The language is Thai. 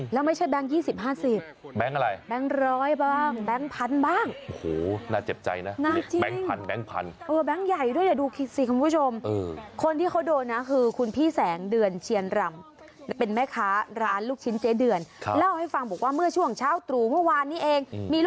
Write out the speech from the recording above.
และไม่เช่าแบงค์๒๐๕๐แบงค์อะไรแบงค์ร้อยบ้าง